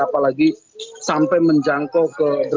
apalagi sampai menjangkau ke